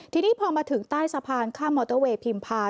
ทีนี้พอมาถึงใต้สะพานข้ามมอเตอร์เวย์พิมพา